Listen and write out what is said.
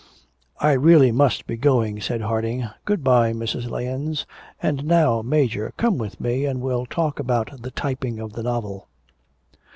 'I really must be going,' said Harding; 'goodbye, Mrs. Lahens. And now, Major, come with me and we'll talk about the typing of the novel.'